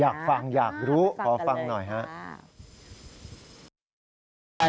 อยากฟังอยากรู้ขอฟังหน่อยครับ